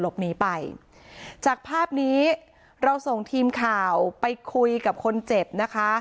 หลบหนีไปจากภาพนี้เราส่งทีมข่าวไปคุยกับคนเจ็บนะคะ